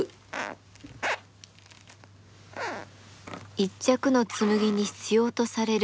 一着の紬に必要とされる